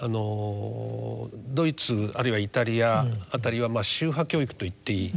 ドイツあるいはイタリアあたりは宗派教育と言っていい。